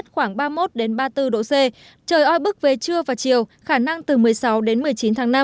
khoảng ba mươi một ba mươi bốn độ c trời oi bức về trưa và chiều khả năng từ một mươi sáu đến một mươi chín tháng năm